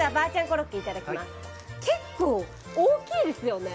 結構大きいですよね。